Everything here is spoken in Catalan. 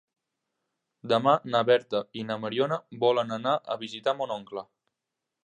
Demà na Berta i na Mariona volen anar a visitar mon oncle.